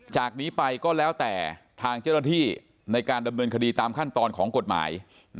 จากนี้ไปก็แล้วแต่ทางเจ้าหน้าที่ในการดำเนินคดีตามขั้นตอนของกฎหมาย